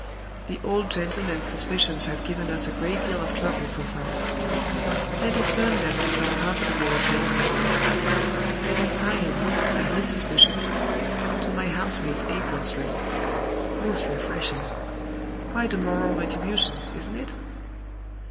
The old gentleman's suspicions have given us a great deal of trouble so far. Let us turn them to some profitable account at last; let us tie him, by his suspicions, to my house maid's apron string. Most refreshing. Quite a moral retribution, isn't it?